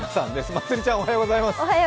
まつりちゃんおはようございます。